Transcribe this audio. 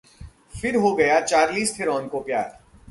..फिर हो गया चार्लीज थेरॉन को प्यार